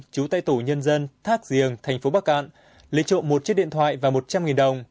chú tại tổ nhân dân thác giềng thành phố bắc cạn lấy trộm một chiếc điện thoại và một trăm linh đồng